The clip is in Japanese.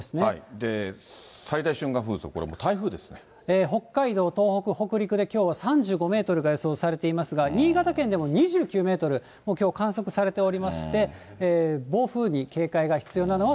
最大瞬間風速、これもう台風北海道、東北、北陸できょうは３５メートルが予想されていますが、新潟県でも２９メートル、きょう観測されておりまして、暴風に警戒が必要なのは、